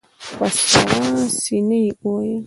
په سړه سينه يې وويل.